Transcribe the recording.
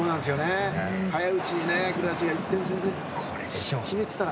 早いうちにクロアチアが決めてたら。